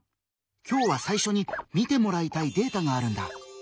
今日は最初に見てもらいたいデータがあるんだ。